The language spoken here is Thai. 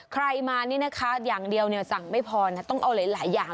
ใครมานี่นะคะอย่างเดียวเนี่ยสั่งไม่พอนะต้องเอาหลายอย่าง